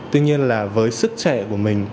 tuy nhiên là với sức trẻ của mình